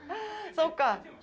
そうか。